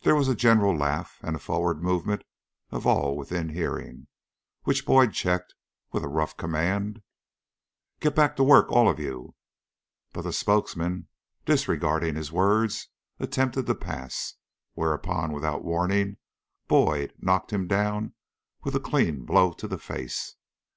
There was a general laugh and a forward movement of all within hearing, which Boyd checked with a rough command. "Get back to work, all of you." But the spokesman, disregarding his words, attempted to pass, whereupon without warning Boyd knocked him down with a clean blow to the face.